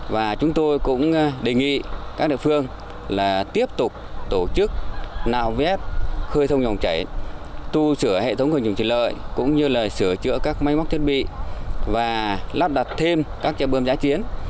và chúng tôi cũng đề nghị các đợt phương là tiếp tục tổ chức nào vét khơi thông dòng chảy tu sửa hệ thống hành trình trị lợi cũng như là sửa chữa các máy móc chuẩn bị và lắp đặt thêm các chế bơm giá chiến